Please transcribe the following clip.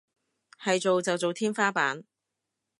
係做就做天花板